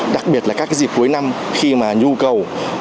đặc biệt là các cái dịp cuối năm khi mà nhu cầu